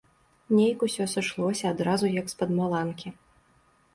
Нейк усё сышлося адразу як з-пад маланкі.